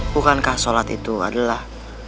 bukankah sholat itu adalah